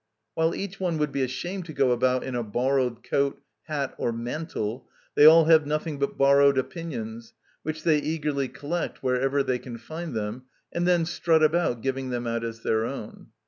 While each one would be ashamed to go about in a borrowed coat, hat, or mantle, they all have nothing but borrowed opinions, which they eagerly collect wherever they can find them, and then strut about giving them out as their own.